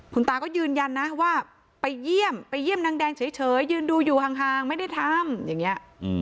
คุณตาก็ยืนยันนะว่าไปเยี่ยมไปเยี่ยมนางแดงเฉยยืนดูอยู่ห่างไม่ได้ทำอย่างนี้